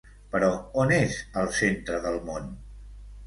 Però on és el centre del món?